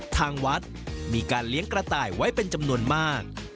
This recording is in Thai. ทางวัดมีการเลี้ยงกระต่ายไว้เป็นจำนวนมาก